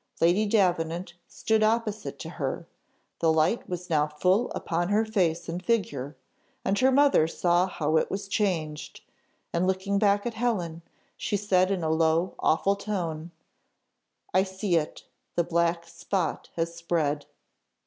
Lady Davenant stood opposite to her; the light was now full upon her face and figure; and her mother saw how it was changed! and looking back at Helen, she said in a low, awful tone, "I see it; the black spot has spread!"